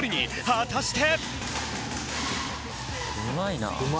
果たして。